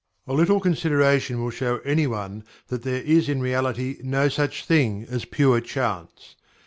A little consideration will show anyone that there is in reality no such thing as pure chance.